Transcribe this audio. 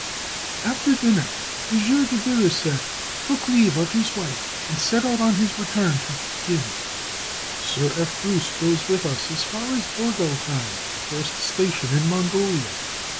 "After dinner, M. de Baluseck took leave of his wife, and set out on his return to Pekin; Sir F. Bruce goes with us as far as Bourgaltaï, the first station in Mongolia.